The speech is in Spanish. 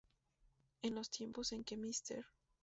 En los tiempos en que Mr.